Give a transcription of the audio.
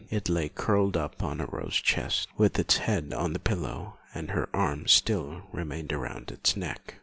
It lay curled up on Aurore's chest, with its head on the pillow and her arms still remained round its neck.